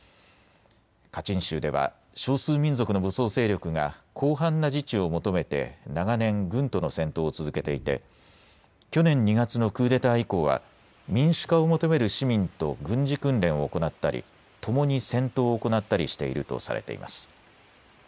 カチン州では少数民族の武装勢力が広範な自治を求めて長年、軍との戦闘を続けていて去年２月のクーデター以降は民主化を求める市民と軍事訓練を行ったり共に戦闘を行ったりしているとされています。